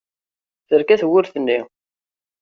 Terka tewwurt-nni.